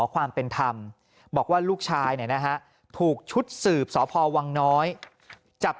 ความเป็นธรรมบอกว่าลูกชายเนี่ยนะฮะถูกชุดสืบสพวังน้อยจับ